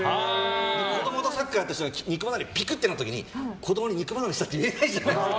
子供とサッカーやった時に肉離れしちゃって子供に肉離れしたって言えないじゃないですか。